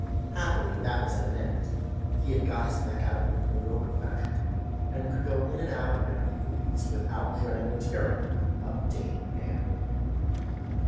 Happily that was at an end; he had got his neck out of the yoke of matrimony, and could go in and out whenever he pleased, without dreading the tyranny of Dame Van Winkle.